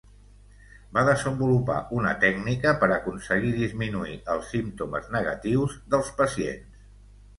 Va desenvolupar una tècnica per aconseguir disminuir els símptomes negatius dels pacients.